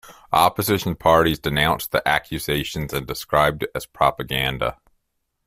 Opposition parties denounced the accusations and described it as propaganda.